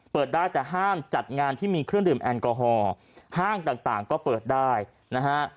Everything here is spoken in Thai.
เปิดได้แต่ห้ามจัดงานที่มีเครื่องดื่มแอลกอฮอล์ห้างต่างก็เปิดได้นะฮะ